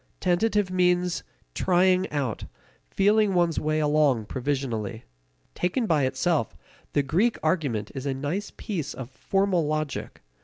Tentative means trying out, feeling one's way along provisionally. Taken by itself, the Greek argument is a nice piece of formal logic.